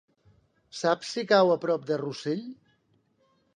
Saps si cau a prop de Rossell?